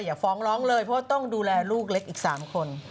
ฟ้องร้องเลยเพราะต้องดูแลลูกเล็กอีก๓คน